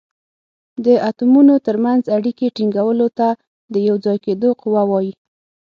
د اتومونو تر منځ اړیکې ټینګولو ته د یو ځای کیدو قوه وايي.